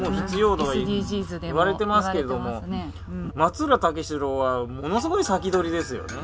言われてますけれども松浦武四郎はものすごい先取りですよね。